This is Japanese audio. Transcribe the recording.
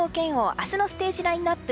明日のステージラインアップ